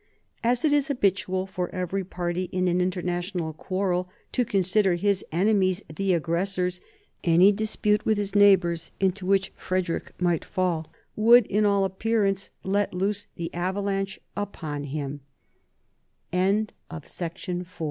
As it is habitual for every party in an international quarrel to consider his enemies the aggressors, any dispute with his neighbours into which Frederick might fall would, to all appearance, let loose the avalanc